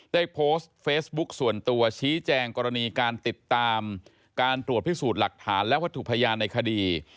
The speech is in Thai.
ได้โพสต์เฟซบุ๊คส่วนตัวชี้แจงกรณีการติดตามการตรวจพิสูจน์หลักฐานและวัตถุพยานในคดี